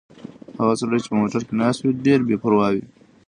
هغه سړی چې په موټر کې ناست و ډېر بې پروا و.